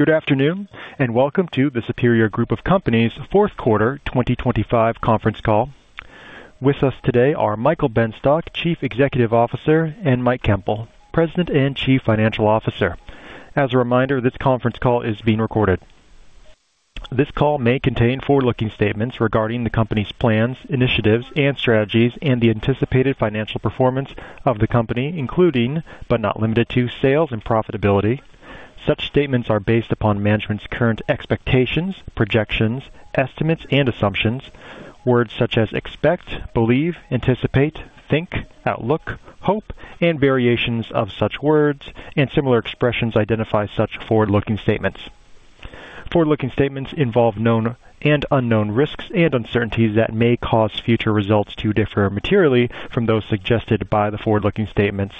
Good afternoon. Welcome to the Superior Group of Companies' fourth quarter 2025 conference call. With us today are Michael Benstock, Chief Executive Officer, and Mike Koempel, President and Chief Financial Officer. As a reminder, this conference call is being recorded. This call may contain forward-looking statements regarding the company's plans, initiatives, and strategies and the anticipated financial performance of the company, including, but not limited to, sales and profitability. Such statements are based upon management's current expectations, projections, estimates, and assumptions. Words such as expect, believe, anticipate, think, outlook, hope, and variations of such words and similar expressions identify such forward-looking statements. Forward-looking statements involve known and unknown risks and uncertainties that may cause future results to differ materially from those suggested by the forward-looking statements.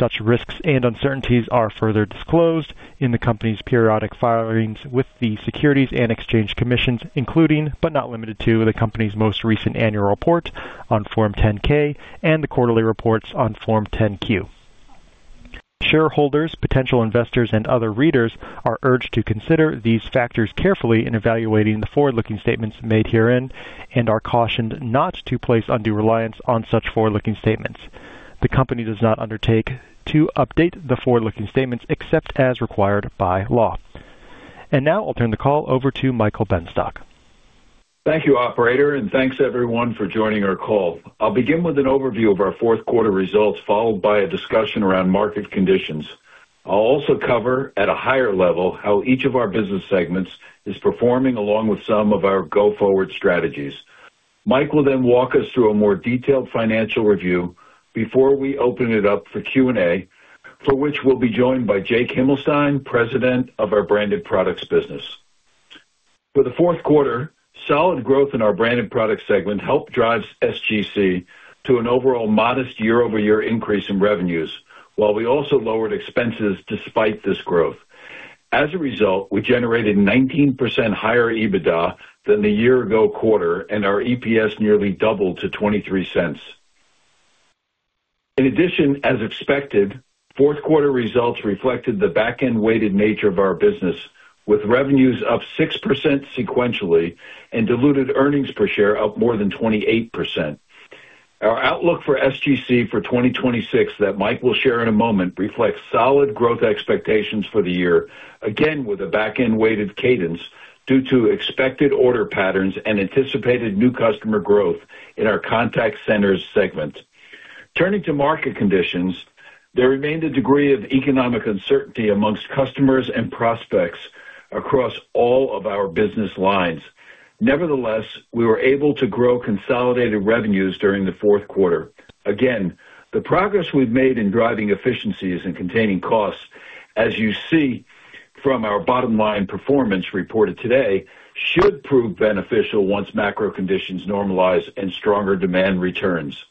Such risks and uncertainties are further disclosed in the company's periodic filings with the Securities and Exchange Commission, including, but not limited to, the company's most recent annual report on Form 10-K and the quarterly reports on Form 10-Q. Shareholders, potential investors, and other readers are urged to consider these factors carefully in evaluating the forward-looking statements made herein and are cautioned not to place undue reliance on such forward-looking statements. The company does not undertake to update the forward-looking statements except as required by law. Now I'll turn the call over to Michael Benstock. Thank you, operator, and thanks everyone for joining our call. I'll begin with an overview of our fourth quarter results, followed by a discussion around market conditions. I'll also cover at a higher level how each of our business segments is performing, along with some of our go-forward strategies. Mike will then walk us through a more detailed financial review before we open it up for Q&A, for which we'll be joined by Jake Himelstein, President of our Branded Products business. For the fourth quarter, solid growth in our Branded Products segment helped drive SGC to an overall modest year-over-year increase in revenues, while we also lowered expenses despite this growth. As a result, we generated 19% higher EBITDA than the year ago quarter, and our EPS nearly doubled to $0.23. In addition, as expected, fourth quarter results reflected the back-end weighted nature of our business, with revenues up 6% sequentially and diluted earnings per share up more than 28%. Our outlook for SGC for 2026 that Mike will share in a moment reflects solid growth expectations for the year, again with a back-end weighted cadence due to expected order patterns and anticipated new customer growth in our Contact Centers segment. Turning to market conditions, there remained a degree of economic uncertainty amongst customers and prospects across all of our business lines. Nevertheless, we were able to grow consolidated revenues during the fourth quarter. The progress we've made in driving efficiencies and containing costs, as you see from our bottom-line performance reported today, should prove beneficial once macro conditions normalize and stronger demand returns.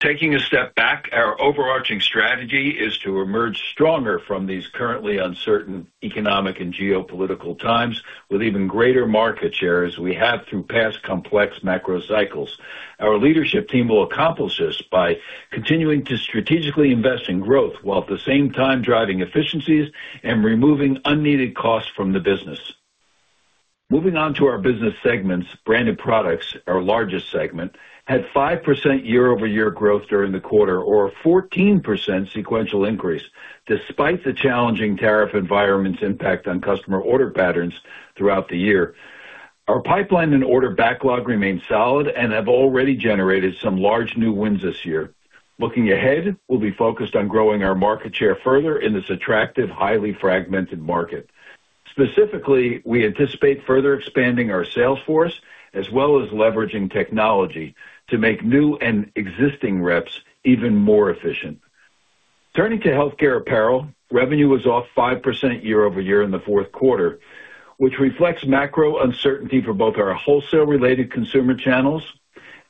Taking a step back, our overarching strategy is to emerge stronger from these currently uncertain economic and geopolitical times with even greater market share as we have through past complex macro cycles. Our leadership team will accomplish this by continuing to strategically invest in growth while at the same time driving efficiencies and removing unneeded costs from the business. Moving on to our business segments, Branded Products, our largest segment, had 5% year-over-year growth during the quarter, or a 14% sequential increase, despite the challenging tariff environment's impact on customer order patterns throughout the year. Our pipeline and order backlog remain solid and have already generated some large new wins this year. Looking ahead, we'll be focused on growing our market share further in this attractive, highly fragmented market. Specifically, we anticipate further expanding our sales force as well as leveraging technology to make new and existing reps even more efficient. Turning to Healthcare Apparel, revenue was off 5% year-over-year in the fourth quarter, which reflects macro uncertainty for both our wholesale-related consumer channels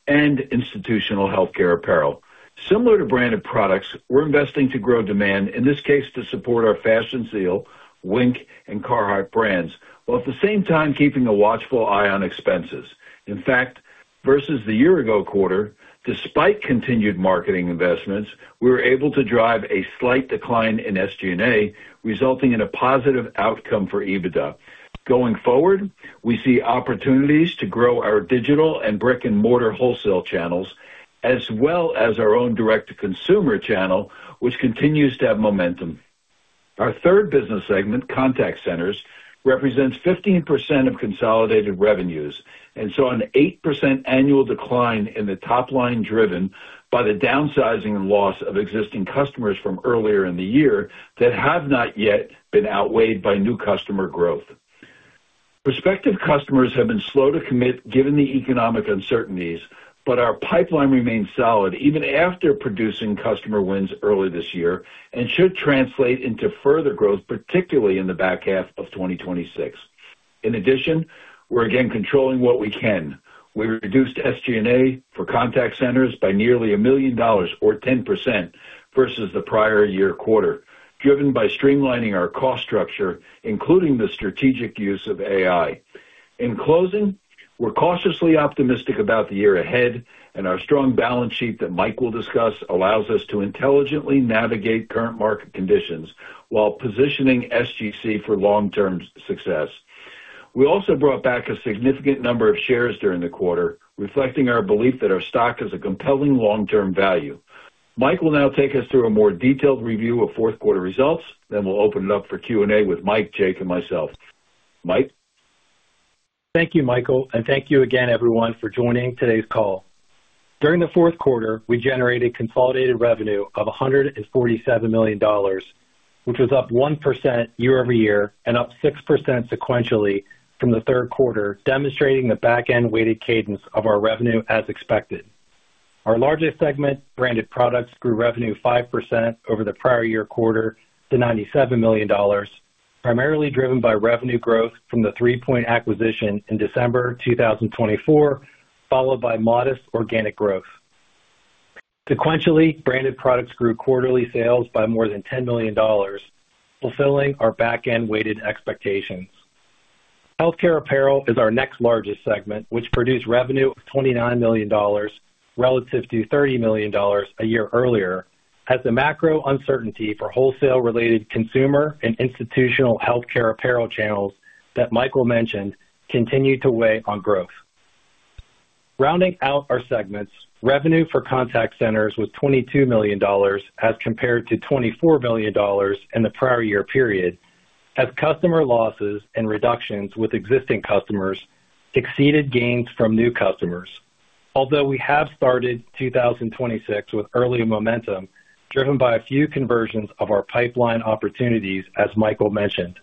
and institutional healthcare apparel. Similar to Branded Products, we're investing to grow demand, in this case to support our Fashion Seal, Wink, and Carhartt brands, while at the same time keeping a watchful eye on expenses. In fact, versus the year ago quarter, despite continued marketing investments, we were able to drive a slight decline in SG&A, resulting in a positive outcome for EBITDA. Going forward, we see opportunities to grow our digital and brick-and-mortar wholesale channels as well as our own direct-to-consumer channel, which continues to have momentum. Our third business segment, Contact Centers, represents 15% of consolidated revenues, saw an 8% annual decline in the top line driven by the downsizing and loss of existing customers from earlier in the year that have not yet been outweighed by new customer growth. Prospective customers have been slow to commit given the economic uncertainties, our pipeline remains solid even after producing customer wins early this year and should translate into further growth, particularly in the back half of 2026. In addition, we're again controlling what we can. We reduced SG&A for Contact Centers by nearly $1 million or 10% versus the prior year quarter, driven by streamlining our cost structure, including the strategic use of AI. Our strong balance sheet that Mike will discuss allows us to intelligently navigate current market conditions while positioning SGC for long-term success. We also brought back a significant number of shares during the quarter, reflecting our belief that our stock is a compelling long-term value. Mike will now take us through a more detailed review of fourth quarter results. We'll open it up for Q&A with Mike, Jake, and myself. Mike? Thank you, Michael, and thank you again everyone for joining today's call. During the fourth quarter, we generated consolidated revenue of $147 million, which was up 1% year-over-year and up 6% sequentially from the third quarter, demonstrating the back end weighted cadence of our revenue as expected. Our largest segment, Branded Products, grew revenue 5% over the prior year quarter to $97 million, primarily driven by revenue growth from the 3Point acquisition in December 2024, followed by modest organic growth. Sequentially, Branded Products grew quarterly sales by more than $10 million, fulfilling our back end weighted expectations. Healthcare Apparel is our next largest segment, which produced revenue of $29 million relative to $30 million a year earlier, as the macro uncertainty for wholesale-related consumer and institutional Healthcare Apparel channels that Michael mentioned continued to weigh on growth. Rounding out our segments, revenue for Contact Centers was $22 million as compared to $24 million in the prior year period, as customer losses and reductions with existing customers exceeded gains from new customers. Although we have started 2026 with early momentum driven by a few conversions of our pipeline opportunities, as Michael mentioned,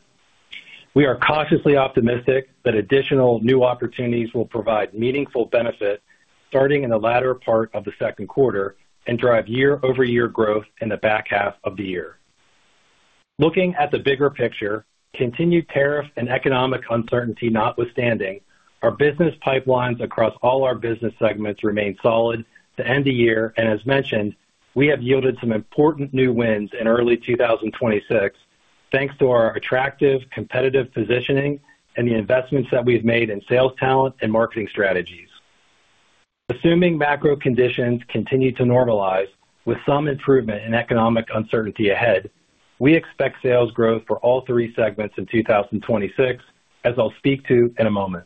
we are cautiously optimistic that additional new opportunities will provide meaningful benefit starting in the latter part of the second quarter and drive year-over-year growth in the back half of the year. Looking at the bigger picture, continued tariff and economic uncertainty notwithstanding, our business pipelines across all our business segments remain solid to end the year. As mentioned, we have yielded some important new wins in early 2026, thanks to our attractive competitive positioning and the investments that we've made in sales talent and marketing strategies. Assuming macro conditions continue to normalize with some improvement in economic uncertainty ahead, we expect sales growth for all three segments in 2026, as I'll speak to in a moment.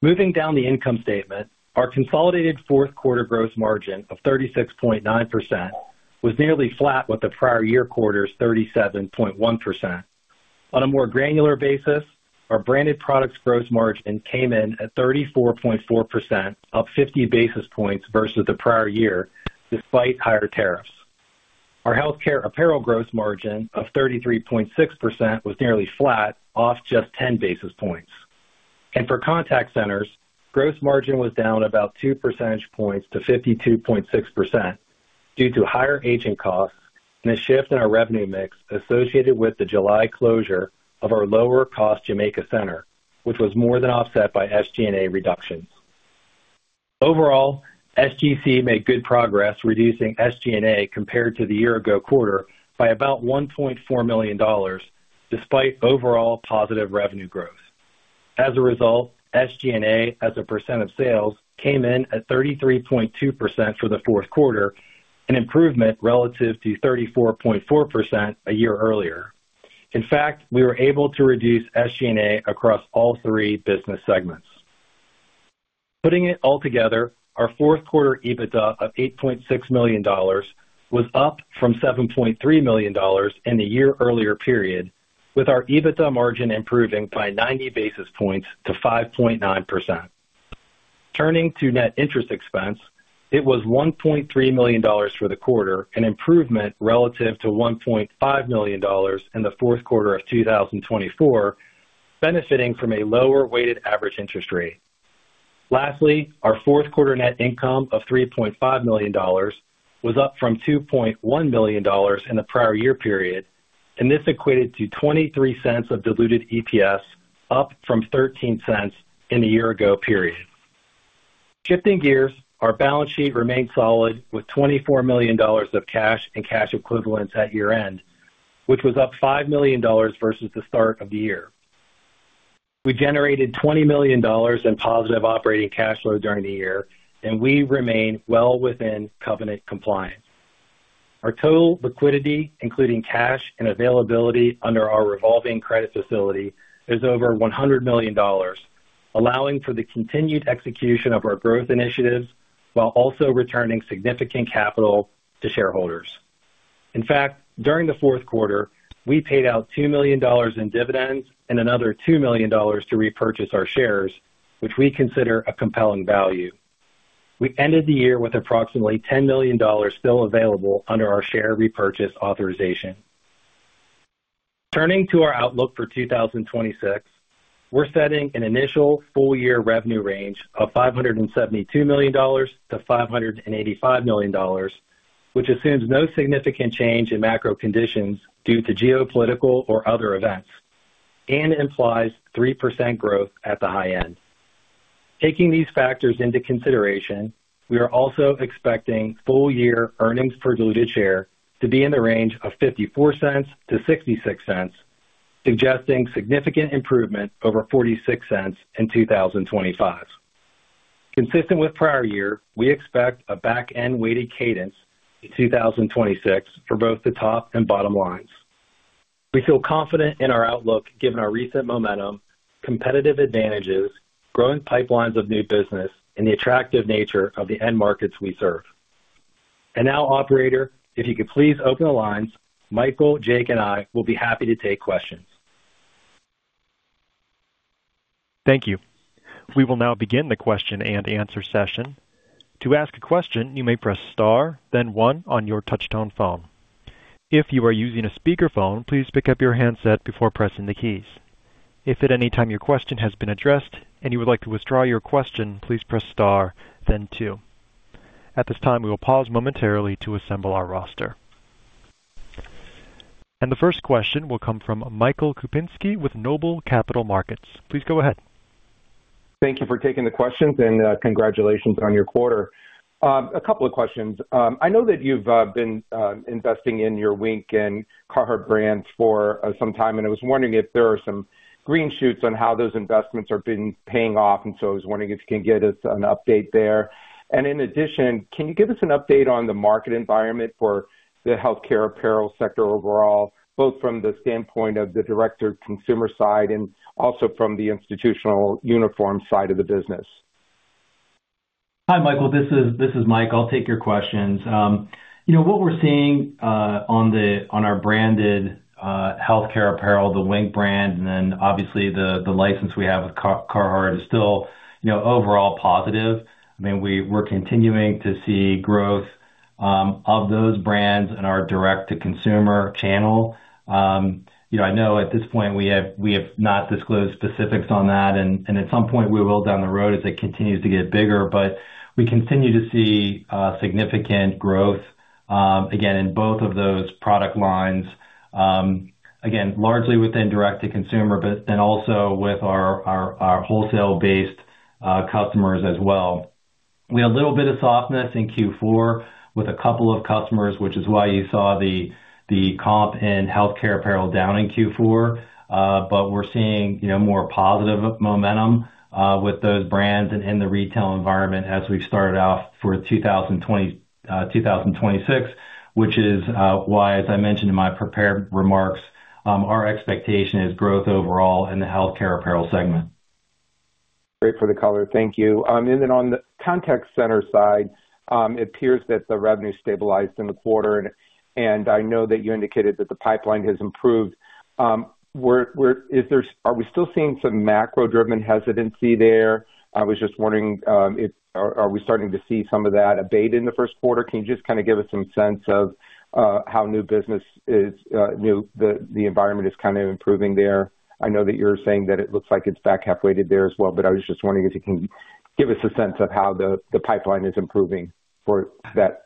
Moving down the income statement. Our consolidated fourth quarter gross margin of 36.9% was nearly flat with the prior year quarter's 37.1%. On a more granular basis, our Branded Products gross margin came in at 34.4%, up 50 basis points versus the prior year despite higher tariffs. Our Healthcare Apparel gross margin of 33.6% was nearly flat, off just 10 basis points. For Contact Centers, gross margin was down about 2 percentage points to 52.6% due to higher agent costs and a shift in our revenue mix associated with the July closure of our lower cost Jamaica center, which was more than offset by SG&A reductions. Overall, SGC made good progress reducing SG&A compared to the year-ago quarter by about $1.4 million, despite overall positive revenue growth. As a result, SG&A, as a percent of sales, came in at 33.2% for the fourth quarter, an improvement relative to 34.4% a year earlier. In fact, we were able to reduce SG&A across all three business segments. Putting it all together, our fourth quarter EBITDA of $8.6 million was up from $7.3 million in the year earlier period, with our EBITDA margin improving by 90 basis points to 5.9%. Turning to net interest expense, it was $1.3 million for the quarter, an improvement relative to $1.5 million in the fourth quarter of 2024, benefiting from a lower weighted average interest rate. Our fourth quarter net income of $3.5 million was up from $2.1 million in the prior year period, and this equated to $0.23 of diluted EPS, up from $0.13 in the year ago period. Shifting gears, our balance sheet remained solid with $24 million of cash and cash equivalents at year-end, which was up $5 million versus the start of the year. We generated $20 million in positive operating cash flow during the year. We remain well within covenant compliance. Our total liquidity, including cash and availability under our revolving credit facility, is over $100 million, allowing for the continued execution of our growth initiatives while also returning significant capital to shareholders. In fact, during the fourth quarter, we paid out $2 million in dividends and another $2 million to repurchase our shares, which we consider a compelling value. We ended the year with approximately $10 million still available under our share repurchase authorization. Turning to our outlook for 2026, we're setting an initial full year revenue range of $572 million-$585 million, which assumes no significant change in macro conditions due to geopolitical or other events and implies 3% growth at the high end. Taking these factors into consideration, we are also expecting full year earnings per diluted share to be in the range of $0.54-$0.66, suggesting significant improvement over $0.46 in 2025. Consistent with prior year, we expect a back-end weighted cadence in 2026 for both the top and bottom lines. We feel confident in our outlook given our recent momentum, competitive advantages, growing pipelines of new business, and the attractive nature of the end markets we serve. Now, operator, if you could please open the lines. Michael, Jake, and I will be happy to take questions. Thank you. We will now begin the question-and-answer session. To ask a question, you may press star, then one on your touch-tone phone. If you are using a speakerphone, please pick up your handset before pressing the keys. If at any time your question has been addressed and you would like to withdraw your question, please press star then two. At this time, we will pause momentarily to assemble our roster. The first question will come from Michael Kupinski with Noble Capital Markets. Please go ahead. Thank you for taking the questions. Congratulations on your quarter. A couple of questions. I know that you've been investing in your Wink and Carhartt brands for some time, and I was wondering if there are some green shoots on how those investments have been paying off, and so I was wondering if you can give us an update there. In addition, can you give us an update on the market environment for the healthcare apparel sector overall, both from the standpoint of the direct-to-consumer side and also from the institutional uniform side of the business? Hi, Michael. This is Mike. I'll take your questions. you know what we're seeing on our branded healthcare apparel, the Wink brand, and then obviously the license we have with Carhartt is still, you know, overall positive. I mean, we're continuing to see growth of those brands in our direct-to-consumer channel. you know, I know at this point we have not disclosed specifics on that. At some point, we will down the road as it continues to get bigger. We continue to see significant growth again, in both of those product lines, again, largely within direct-to-consumer, but then also with our wholesale-based customers as well. We had a little bit of softness in Q4 with a couple of customers, which is why you saw the comp in Healthcare Apparel down in Q4. We're seeing, you know, more positive momentum with those brands and in the retail environment as we started off for 2026, which is why, as I mentioned in my prepared remarks, our expectation is growth overall in the Healthcare Apparel segment. Great for the color. Thank you. Then on the Contact Centers side, it appears that the revenue stabilized in the quarter, and I know that you indicated that the pipeline has improved. Is there are we still seeing some macro-driven hesitancy there? I was just wondering, are we starting to see some of that abate in the first quarter? Can you just kind of give us some sense of how new business is, the environment is kind of improving there? I know that you're saying that it looks like it's back half-weighted there as well, I was just wondering if you can give us a sense of how the pipeline is improving for that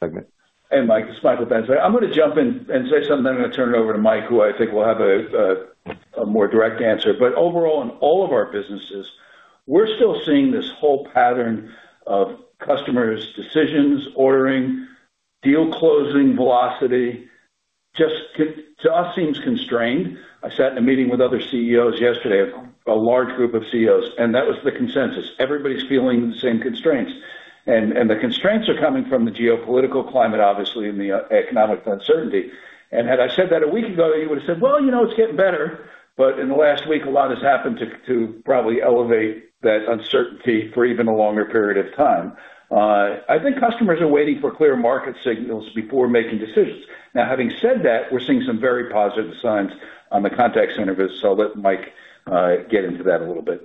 segment. Hey, Mike, this is Michael Benstock. I'm gonna jump in and say something, then I'm gonna turn it over to Mike, who I think will have a more direct answer. Overall, in all of our businesses, we're still seeing this whole pattern of customers' decisions, ordering, deal closing velocity, just to us seems constrained. I sat in a meeting with other CEOs yesterday, a large group of CEOs, and that was the consensus. Everybody's feeling the same constraints. The constraints are coming from the geopolitical climate, obviously, and the economic uncertainty. Had I said that a week ago, you would've said, "Well, you know, it's getting better." In the last week, a lot has happened to probably elevate that uncertainty for even a longer period of time. I think customers are waiting for clear market signals before making decisions. Having said that, we're seeing some very positive signs on the Contact Center biz. I'll let Mike get into that a little bit.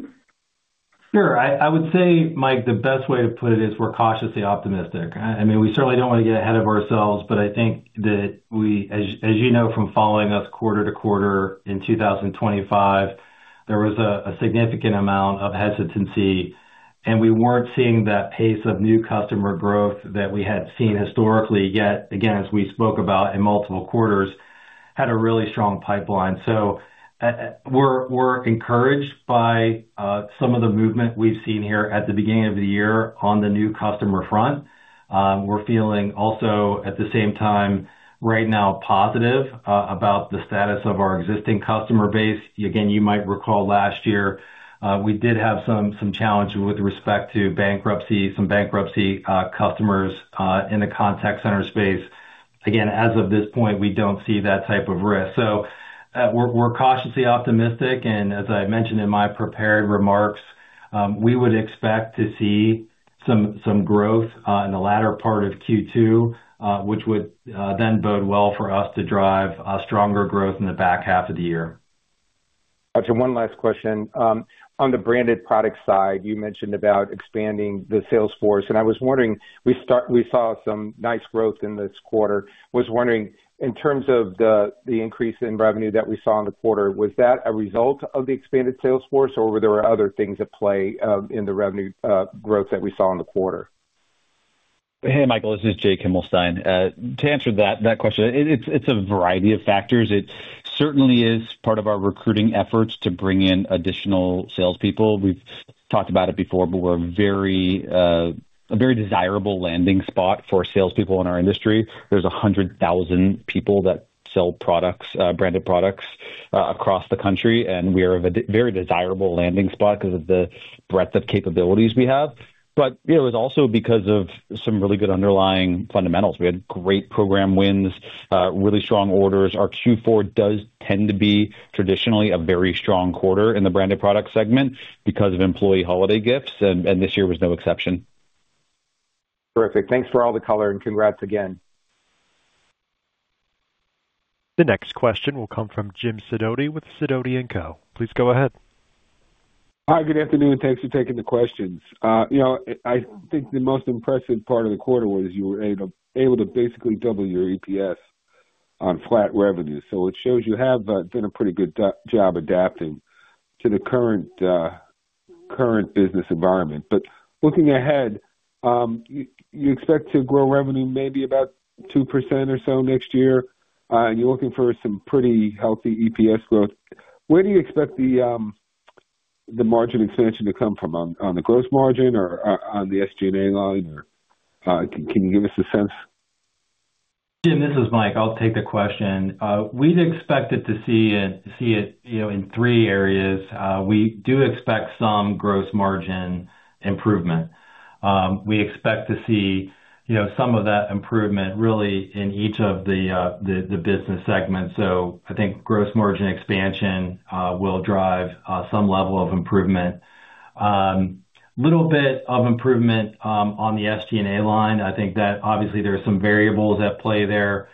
Sure. I would say, Mike, the best way to put it is we're cautiously optimistic. I mean, we certainly don't wanna get ahead of ourselves, but I think that we. As you know, from following us quarter-to-quarter in 2025, there was a significant amount of hesitancy, and we weren't seeing that pace of new customer growth that we had seen historically, yet again, as we spoke about in multiple quarters, had a really strong pipeline. We're encouraged by some of the movement we've seen here at the beginning of the year on the new customer front. We're feeling also, at the same time, right now, positive about the status of our existing customer base. You might recall last year, we did have some challenges with respect to bankruptcy, some bankruptcy customers in the Contact Centers space. As of this point, we don't see that type of risk. We're cautiously optimistic. As I mentioned in my prepared remarks, we would expect to see some growth in the latter part of Q2, which would then bode well for us to drive a stronger growth in the back half of the year. Got you. One last question. On the Branded Products side, you mentioned about expanding the sales force, and I was wondering, we saw some nice growth in this quarter. Was wondering, in terms of the increase in revenue that we saw in the quarter, was that a result of the expanded sales force, or were there other things at play in the revenue growth that we saw in the quarter? Hey, Michael, this is Jake Himelstein. To answer that question, it's a variety of factors. It certainly is part of our recruiting efforts to bring in additional salespeople. We've talked about it before, but we're a very desirable landing spot for salespeople in our industry. There's 100,000 people that sell products, Branded Products, across the country, and we are a very desirable landing spot because of the breadth of capabilities we have. You know, it was also because of some really good underlying fundamentals. We had great program wins, really strong orders. Our Q4 does tend to be traditionally a very strong quarter in the Branded Products segment because of employee holiday gifts, this year was no exception. Terrific. Thanks for all the color, and congrats again. The next question will come from James Sidoti with Sidoti & Co. Please go ahead. Hi, good afternoon, and thanks for taking the questions. you know, I think the most impressive part of the quarter was you were able to basically double your EPS on flat revenue. It shows you have done a pretty good job adapting to the current business environment. Looking ahead, you expect to grow revenue maybe about 2% or so next year? You're looking for some pretty healthy EPS growth. Where do you expect the margin expansion to come from on the gross margin or on the SG&A line? Can you give us a sense? Jim, this is Mike. I'll take the question. We'd expect it to see it, you know, in three areas. We do expect some gross margin improvement. We expect to see, you know, some of that improvement really in each of the business segments. I think gross margin expansion will drive some level of improvement. Little bit of improvement on the SG&A line. I think that obviously there are some variables at play there,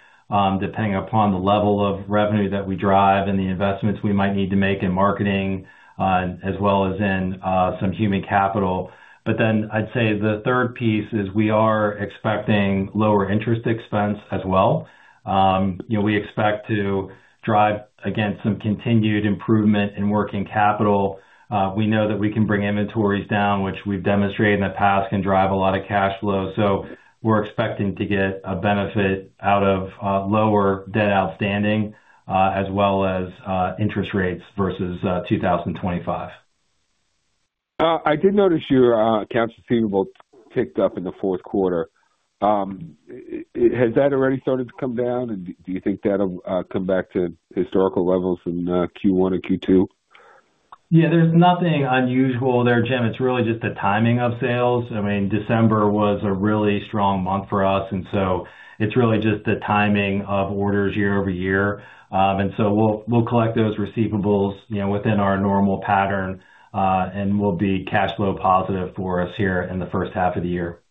depending upon the level of revenue that we drive and the investments we might need to make in marketing, as well as in some human capital. I'd say the third piece is we are expecting lower interest expense as well. You know, we expect to drive, again, some continued improvement in working capital. We know that we can bring inventories down, which we've demonstrated in the past can drive a lot of cash flow. We're expecting to get a benefit out of lower debt outstanding, as well as interest rates versus 2025. I did notice your accounts receivable ticked up in the fourth quarter. Has that already started to come down? Do you think that'll come back to historical levels in Q1 and Q2? Yeah, there's nothing unusual there, Jim. It's really just the timing of sales. I mean, December was a really strong month for us, and so it's really just the timing of orders year-over-year. We'll collect those receivables, you know, within our normal pattern, and will be cash flow positive for us here in the first half of the year.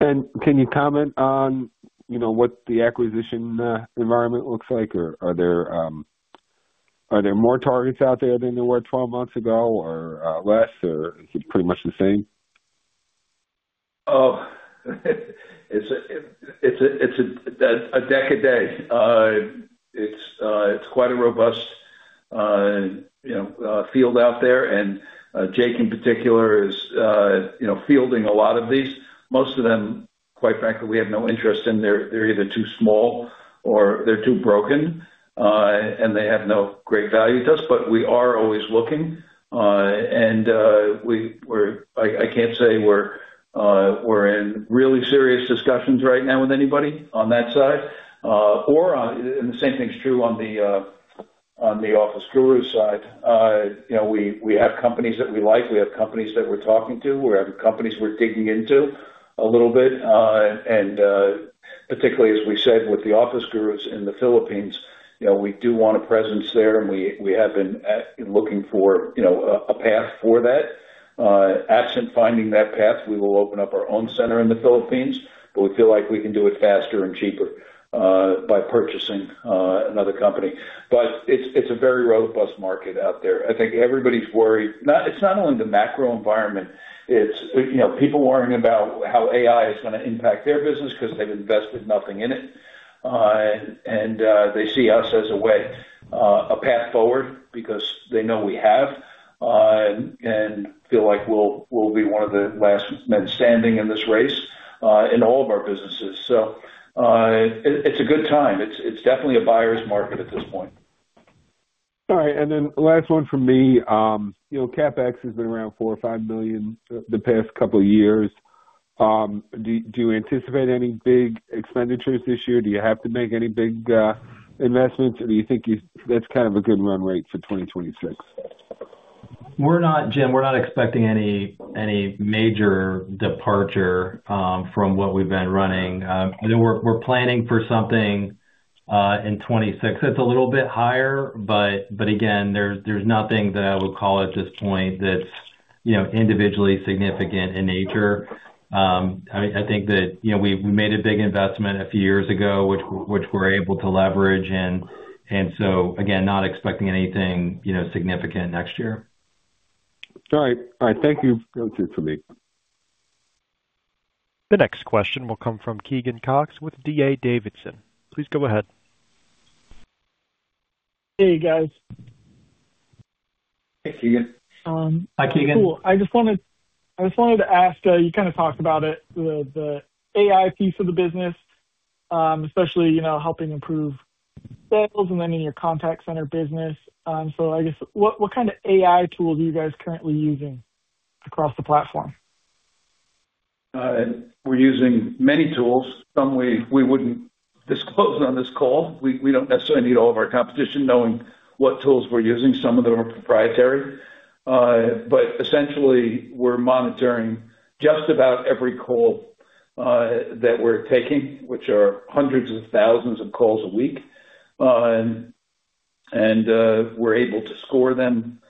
Can you comment on, you know, what the acquisition environment looks like? Are there more targets out there than there were 12 months ago or less, or is it pretty much the same? It's a deck a day. It's quite a robust, you know, field out there. Jake in particular is, you know, fielding a lot of these. Most of them, quite frankly, we have no interest in. They're either too small or they're too broken, and they have no great value to us. We are always looking, and I can't say we're in really serious discussions right now with anybody on that side. Or, and the same thing's true on The Office Gurus side. You know, we have companies that we like. We have companies that we're talking to. We have companies we're digging into a little bit. Particularly as we said with The Office Gurus in the Philippines, you know, we do want a presence there, and we have been looking for, you know, a path for that. Absent finding that path, we will open up our own center in the Philippines, but we feel like we can do it faster and cheaper by purchasing another company. It's a very robust market out there. I think everybody's worried. It's not only the macro environment, it's, you know, people worrying about how AI is gonna impact their business because they've invested nothing in it. They see us as a way, a path forward because they know we have and feel like we'll be one of the last men standing in this race in all of our businesses. It's a good time. It's definitely a buyer's market at this point. All right. Last one from me. you know, CapEx has been around $4 million-$5 million the past couple of years. Do you anticipate any big expenditures this year? Do you have to make any big investments? Do you think that's kind of a good run rate for 2026? We're not, Jim, we're not expecting any major departure from what we've been running. You know, we're planning for something in 2026 that's a little bit higher. Again, there's nothing that I would call at this point that's, you know, individually significant in nature. I think that, you know, we made a big investment a few years ago, which we're able to leverage. Again, not expecting anything, you know, significant next year. All right. All right. Thank you. That's it for me. The next question will come from Keegan Cox with D.A. Davidson. Please go ahead. Hey guys. Hey, Keegan. Hi, Keegan. I just wanted to ask, you kind of talked about it, the AI piece of the business, especially, you know, helping improve sales and then in your contact center business. I guess what kind of AI tool do you guys currently using across the platform? We're using many tools. Some we wouldn't disclose on this call. We don't necessarily need all of our competition knowing what tools we're using. Some of them are proprietary. Essentially, we're monitoring just about every call that we're taking, which are hundreds of thousands of calls a week. We're able to score them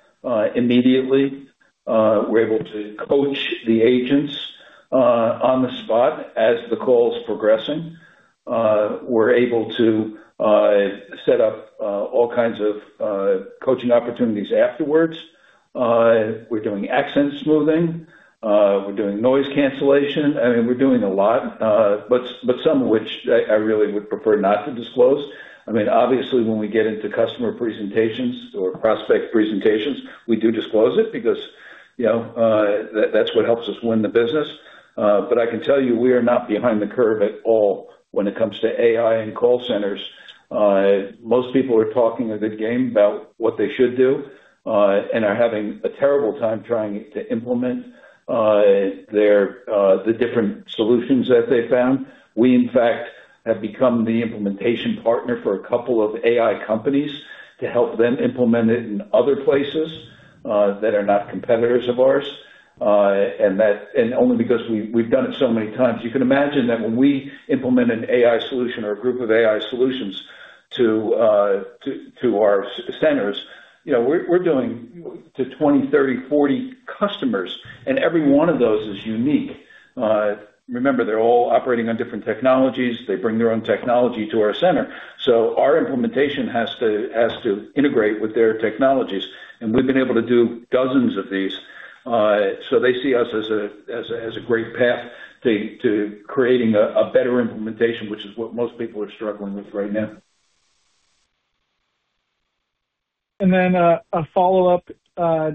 immediately. We're able to coach the agents on the spot as the call's progressing. We're able to set up all kinds of coaching opportunities afterwards. We're doing accent smoothing, we're doing noise cancellation. I mean, we're doing a lot, but some of which I really would prefer not to disclose. I mean, obviously when we get into customer presentations or prospect presentations, we do disclose it because, you know, that's what helps us win the business. I can tell you we are not behind the curve at all when it comes to AI and call centers. Most people are talking a good game about what they should do, and are having a terrible time trying to implement their the different solutions that they found. We, in fact, have become the implementation partner for a couple of AI companies to help them implement it in other places that are not competitors of ours. Only because we've done it so many times. You can imagine that when we implement an AI solution or a group of AI solutions to our centers, you know, we're doing to 20, 30, 40 customers, and every one of those is unique. Remember, they're all operating on different technologies. They bring their own technology to our center. Our implementation has to integrate with their technologies, and we've been able to do dozens of these. They see us as a great path to creating a better implementation, which is what most people are struggling with right now. A follow-up.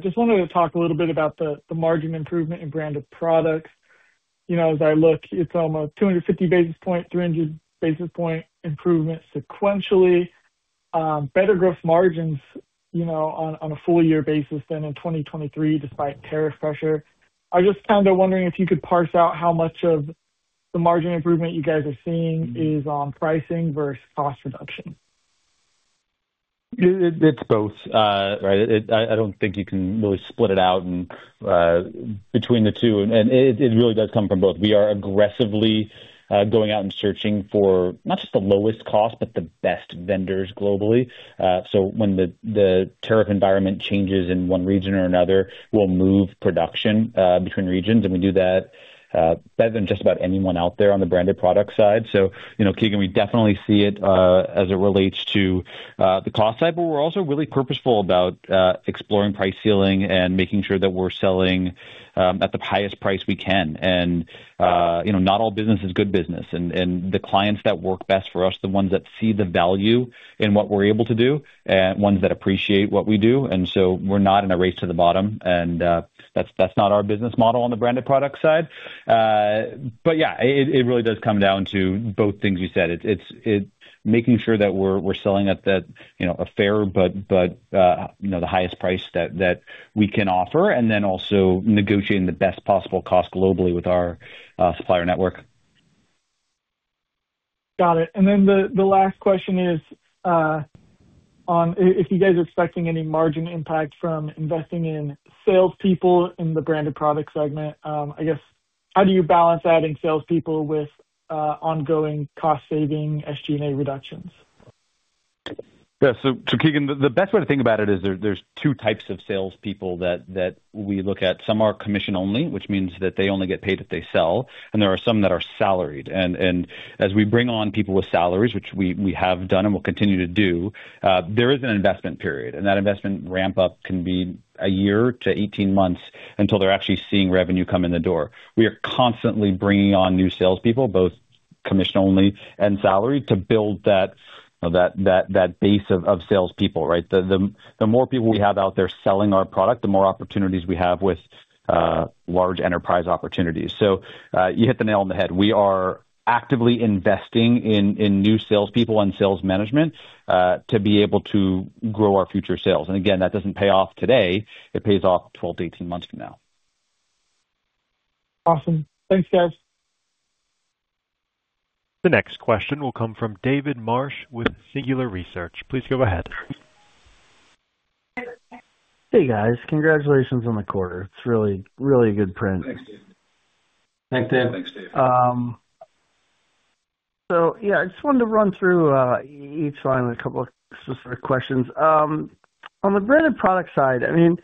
Just wanted to talk a little bit about the margin improvement in Branded Products. You know, as I look, it's almost 250 basis point, 300 basis point improvement sequentially. Better gross margins, you know, on a full year basis than in 2023 despite tariff pressure. I just kinda wondering if you could parse out how much of the margin improvement you guys are seeing is on pricing versus cost reduction. It's both. Right? I don't think you can really split it out and between the two, and it really does come from both. We are aggressively going out and searching for not just the lowest cost, but the best vendors globally. So when the tariff environment changes in one region or another, we'll move production between regions, and we do that better than just about anyone out there on the Branded Products side. You know, Keegan, we definitely see it as it relates to the cost side, but we're also really purposeful about exploring price ceiling and making sure that we're selling at the highest price we can. You know, not all business is good business. The clients that work best for us are the ones that see the value in what we're able to do and ones that appreciate what we do. So we're not in a race to the bottom. That's not our business model on the branded product side. But yeah, it really does come down to both things you said. It's making sure that we're selling at that, you know, a fair but, you know, the highest price that we can offer, and then also negotiating the best possible cost globally with our supplier network. Got it. The last question is, if you guys are expecting any margin impact from investing in salespeople in the Branded Products segment. I guess how do you balance adding salespeople with ongoing cost saving SG&A reductions? Yeah. Keegan, the best way to think about it is there's two types of salespeople that we look at. Some are commission only, which means that they only get paid if they sell, and there are some that are salaried. As we bring on people with salaries, which we have done and will continue to do, there is an investment period, and that investment ramp-up can be a year to 18 months until they're actually seeing revenue come in the door. We are constantly bringing on new salespeople, both commission only and salary, to build that, you know, that base of salespeople, right? The more people we have out there selling our product, the more opportunities we have with large enterprise opportunities. You hit the nail on the head. We are actively investing in new salespeople and sales management to be able to grow our future sales. Again, that doesn't pay off today. It pays off 12 to 18 months from now. Awesome. Thanks, guys. The next question will come from David Marsh with Singular Research. Please go ahead. Hey, guys. Congratulations on the quarter. It's really, really a good print. Thanks, Dave. Thanks, Dave. Thanks, Dave. Yeah, I just wanted to run through each line, a couple of specific questions. On the Branded Products side, I mean,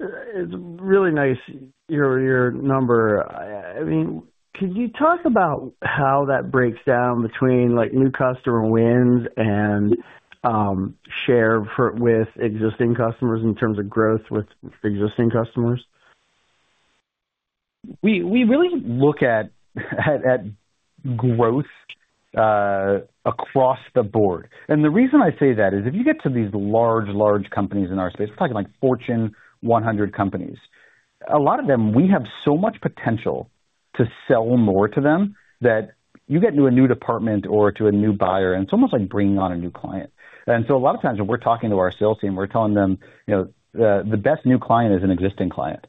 it's really nice your number. I mean, could you talk about how that breaks down between like new customer wins and share with existing customers in terms of growth with existing customers? We really look at growth across the board. The reason I say that is if you get to these large companies in our space, we're talking like Fortune 100 companies, a lot of them, we have so much potential to sell more to them that you get to a new department or to a new buyer, and it's almost like bringing on a new client. A lot of times when we're talking to our sales team, we're telling them, you know, the best new client is an existing client.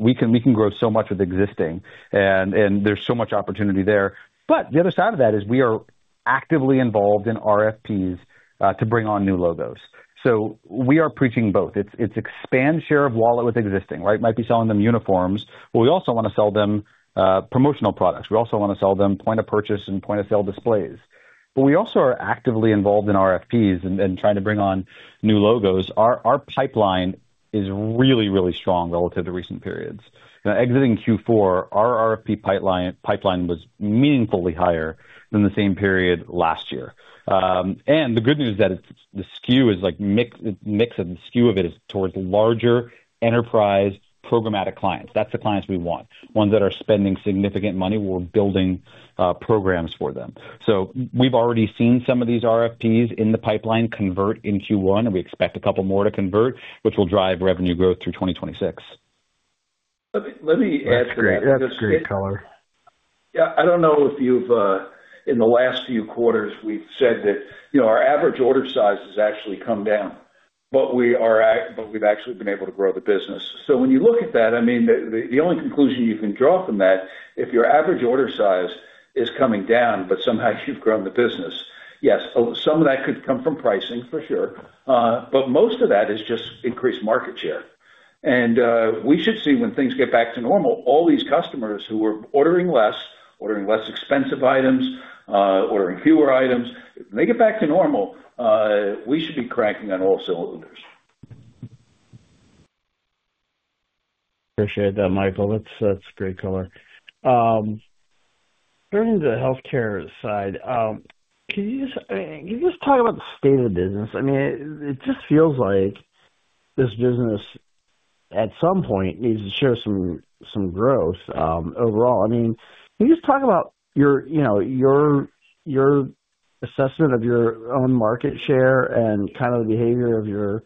We can grow so much with existing and there's so much opportunity there. The other side of that is we are actively involved in RFPs to bring on new logos. We are preaching both. It's expand share of wallet with existing, right? Might be selling them uniforms, but we also want to sell them promotional products. We also want to sell them point-of-purchase and point-of-sale displays. We also are actively involved in RFPs and trying to bring on new logos. Our pipeline is really, really strong relative to recent periods. Exiting Q4, our RFP pipeline was meaningfully higher than the same period last year. The good news is that the skew is like mix and skew of it is towards larger enterprise programmatic clients. That's the clients we want. Ones that are spending significant money. We're building programs for them. We've already seen some of these RFPs in the pipeline convert in Q1, and we expect a couple more to convert, which will drive revenue growth through 2026. Let me add to that. That's great color. I don't know if you've, in the last few quarters, we've said that, you know, our average order size has actually come down, but we've actually been able to grow the business. When you look at that, I mean, the only conclusion you can draw from that, if your average order size is coming down, but somehow you've grown the business, yes, some of that could come from pricing for sure. Most of that is just increased market share. We should see when things get back to normal, all these customers who are ordering less, ordering less expensive items, ordering fewer items, when they get back to normal, we should be cranking on all cylinders. Appreciate that, Michael. That's, that's great color. Turning to the healthcare side, can you just talk about the state of the business? I mean, it just feels like this business at some point needs to show some growth overall. I mean, can you just talk about your, you know, your assessment of your own market share and kind of the behavior of your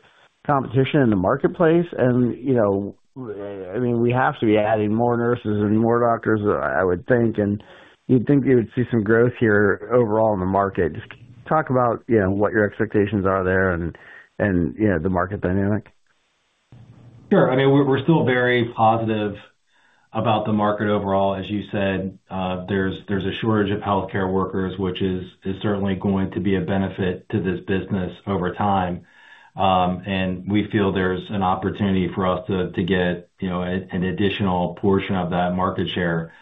competition in the marketplace? You know, I mean, we have to be adding more nurses and more doctors, I would think. And you'd think you would see some growth here overall in the market. Just talk about, you know, what your expectations are there and, you know, the market dynamic. Sure. I mean, we're still very positive about the market overall. As you said, there's a shortage of healthcare workers, which is certainly going to be a benefit to this business over time. We feel there's an opportunity for us to get, you know, an additional portion of that market share.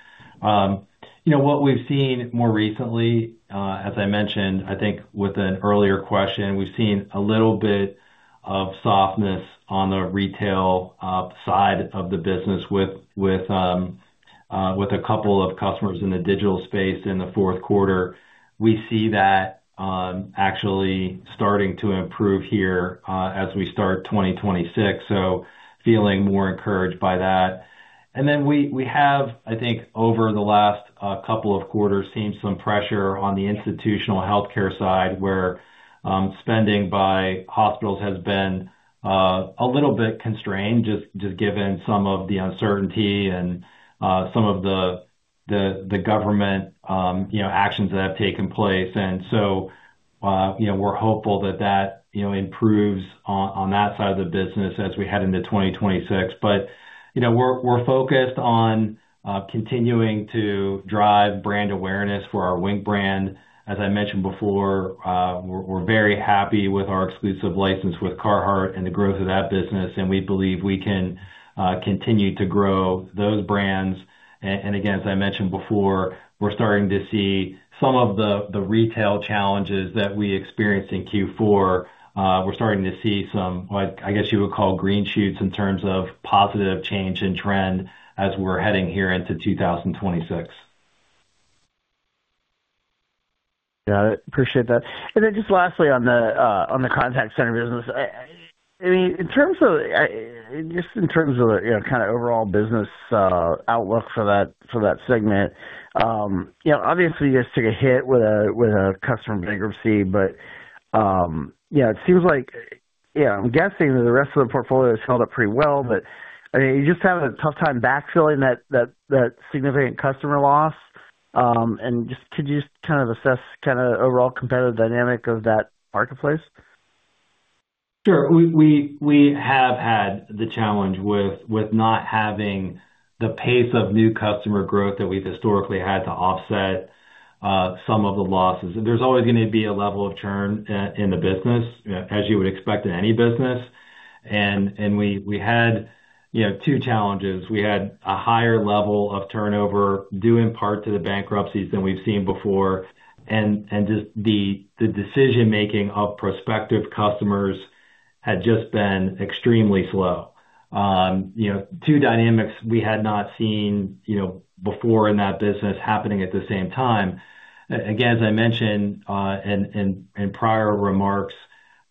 You know what we've seen more recently, as I mentioned, I think with an earlier question, we've seen a little bit of softness on the retail side of the business with a couple of customers in the digital space in the fourth quarter. We see that actually starting to improve here, as we start 2026, feeling more encouraged by that. Then we have, I think over the last couple of quarters, seen some pressure on the institutional healthcare side, where spending by hospitals has been a little bit constrained, just given some of the uncertainty and some of the government, you know, actions that have taken place. So, you know, we're hopeful that, you know, improves on that side of the business as we head into 2026. You know, we're focused on continuing to drive brand awareness for our Wink brand. As I mentioned before, we're very happy with our exclusive license with Carhartt and the growth of that business, and we believe we can continue to grow those brands. Again, as I mentioned before, we're starting to see some of the retail challenges that we experienced in Q4, we're starting to see some, what I guess you would call green shoots in terms of positive change in trend as we're heading here into 2026. Got it. Appreciate that. Just lastly on the Contact Centers business. I mean, in terms of, you know, kind of overall business outlook for that segment, you know, obviously you guys took a hit with a customer bankruptcy, but, you know, it seems like, you know, I'm guessing that the rest of the portfolio has held up pretty well. I mean, are you just having a tough time backfilling that significant customer loss? Could you just kind of assess kind of the overall competitive dynamic of that marketplace? Sure. We have had the challenge with not having the pace of new customer growth that we've historically had to offset some of the losses. There's always going to be a level of churn in the business, as you would expect in any business. We had, you know, two challenges. We had a higher level of turnover due in part to the bankruptcies than we've seen before. Just the decision-making of prospective customers had just been extremely slow. You know, two dynamics we had not seen, you know, before in that business happening at the same time. Again, as I mentioned, in prior remarks,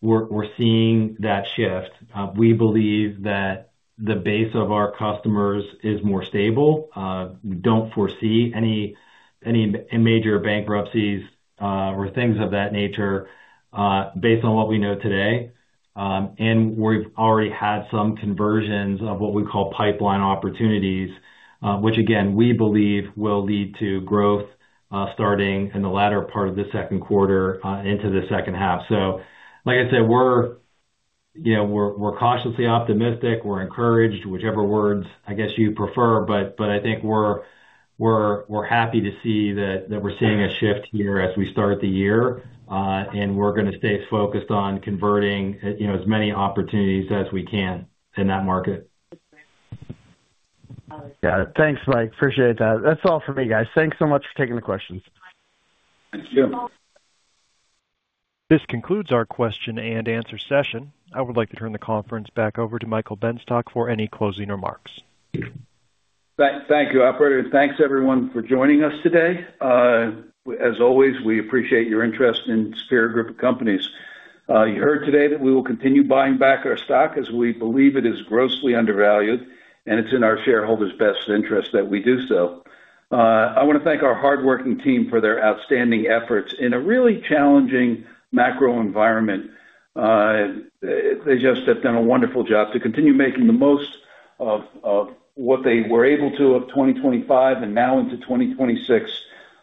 we're seeing that shift. We believe that the base of our customers is more stable. Don't foresee any major bankruptcies, or things of that nature, based on what we know today. We've already had some conversions of what we call pipeline opportunities, which again, we believe will lead to growth, starting in the latter part of the second quarter, into the second half. Like I said, we're, you know, we're cautiously optimistic. We're encouraged, whichever words I guess you'd prefer, but I think we're happy to see that we're seeing a shift here as we start the year. We're gonna stay focused on converting, you know, as many opportunities as we can in that market. Got it. Thanks, Mike. Appreciate that. That's all for me, guys. Thanks so much for taking the questions. Thank you. This concludes our question and answer session. I would like to turn the conference back over to Michael Benstock for any closing remarks. Thank you, operator. Thanks everyone for joining us today. As always, we appreciate your interest in Superior Group of Companies. You heard today that we will continue buying back our stock as we believe it is grossly undervalued, and it's in our shareholders' best interest that we do so. I wanna thank our hardworking team for their outstanding efforts in a really challenging macro environment. They just have done a wonderful job to continue making the most of what they were able to of 2025 and now into 2026.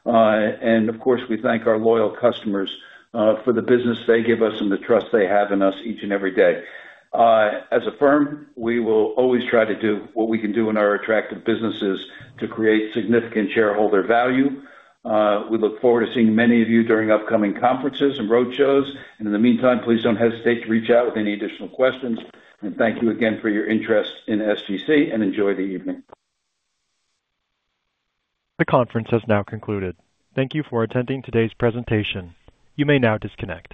Of course, we thank our loyal customers for the business they give us and the trust they have in us each and every day. As a firm, we will always try to do what we can do in our attractive businesses to create significant shareholder value. We look forward to seeing many of you during upcoming conferences and roadshows. In the meantime, please don't hesitate to reach out with any additional questions. Thank you again for your interest in SGC and enjoy the evening. The conference has now concluded. Thank you for attending today's presentation. You may now disconnect.